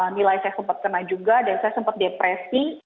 nilai saya sempat kena juga dan saya sempat depresi